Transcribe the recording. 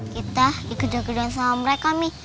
kita dikedal kedal sama mereka mi